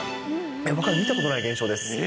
見たことない現象です。